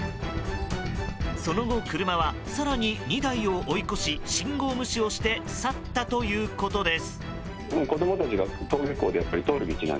その後、車は更に２台を追い越し信号無視をして去ったということです。